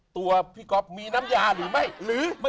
ตัวพี่ก๊อบมีน้ำยาหรือไม่